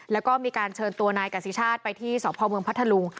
แล้วก็มีการเชิญตัวนายกษิชาติไปที่สพเมืองพัทธลุง